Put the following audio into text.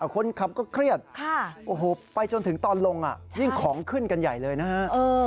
คนขับก็เครียดโอ้โหไปจนถึงตอนลงยิ่งของขึ้นกันใหญ่เลยนะฮะ